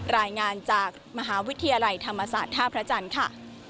รายงานจากมหาวิทยาลัยธรรมศาสตร์ท่าพระจันทร์ค่ะ